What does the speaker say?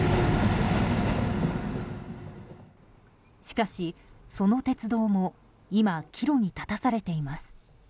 しかし、その鉄道も今、岐路に立たされています。